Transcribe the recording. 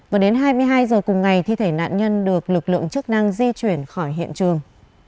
và đến hai mươi hai h cùng ngày thi thể nạn nhân được lực lượng chức năng di chuyển khỏi hiện trường